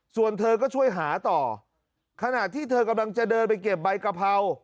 ส่วนเธอก็ช่วยหาต่อขณะที่เธอกำลังจะเดินไปเก็บใบกะเพรา